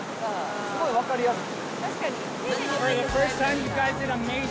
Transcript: すごい分かりやすい。